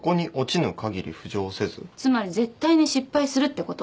つまり絶対に失敗するってこと。